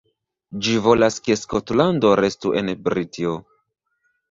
Ĝi volas ke Skotlando restu en Britio.